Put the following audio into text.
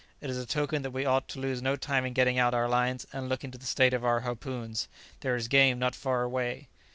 It is a token that we ought to lose no time in getting out our lines and looking to the state of our harpoons. There is game not far away."